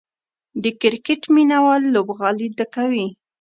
د کرکټ مینه وال لوبغالي ډکوي.